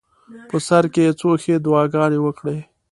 په سر کې یې څو ښې دعاګانې وکړې.